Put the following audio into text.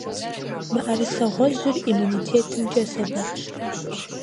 Мыӏэрысэ гъуэжьыр иммунитетымкӀэ сэбэпщ.